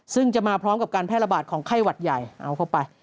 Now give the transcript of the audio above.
ซึ่งจะมาพร้อมกับการแพร่ระบาดของไข้หวัดใหญ่เอาเข้าไป